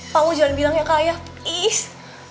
pak wo jangan bilangnya ke ayah please